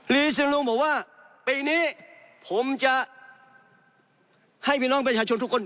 รีซิลูบอกว่าปีนี้ผมจะให้พี่น้องประชาชนทุกคน